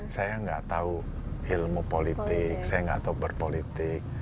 saya gak tahu ilmu politik saya gak tahu berpolitik